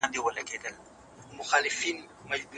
فرهاد دريا